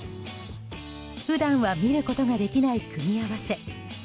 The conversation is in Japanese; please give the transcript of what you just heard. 普段は見ることができない組み合わせ。